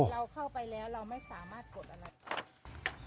เราเข้าไปแล้วเราไม่สามารถกดอะไร